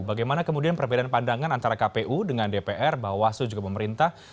bagaimana kemudian perbedaan pandangan antara kpu dengan dpr bawaslu juga pemerintah